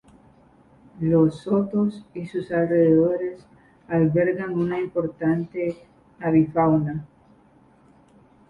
Los Sotos y sus alrededores albergan una importante avifauna.